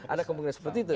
ada kemungkinan seperti itu